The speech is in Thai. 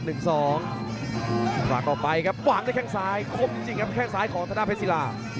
ต่อกลับไปครับว้างแล้วแข้งซ้ายครบจริงครับแข้งซ้ายของทะด้าเภสิลา